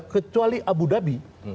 kecuali abu dhabi